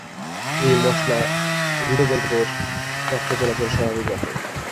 এই মসলা হৃদযন্ত্রের রক্ত চলাচল স্বাভাবিক রাখে।